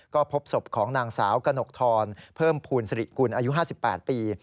ก็พบศพของนางสาวกนกทรเพิ่มภูมิสิริกุลอายุ๕๘ปี